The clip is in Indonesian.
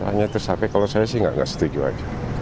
hanya tersampai kalau saya sih nggak setuju aja